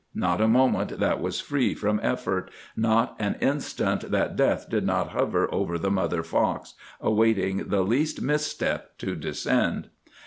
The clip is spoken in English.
Not a moment that was free from effort; not an instant that death did not hover over the mother fox, awaiting the least misstep to descend.